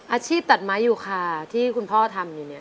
อาชีพตัดไม้อยู่ค่ะที่คุณพ่อทำอยู่เนี่ย